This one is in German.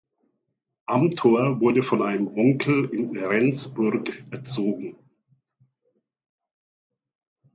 Amthor wurde von einem Onkel in Rendsburg erzogen.